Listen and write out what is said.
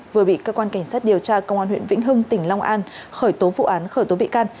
vừa bị cơ quan cảnh sát điều tra công an huyện vĩnh hưng tỉnh long an khởi tố vụ án khởi tố bị can